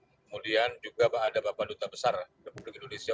kemudian juga ada bapak duta besar republik indonesia